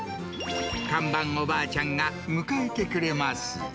看板おばあちゃんが迎えてくれます。